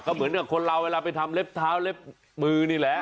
ก็เหมือนกับคนเราเวลาไปทำเล็บเท้าเล็บมือนี่แหละ